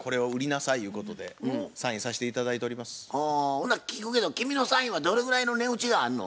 ほな聞くけど君のサインはどれぐらいの値打ちがあんの？